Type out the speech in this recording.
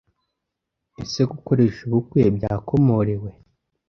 Ese gukoresha ubukwe byakomorewe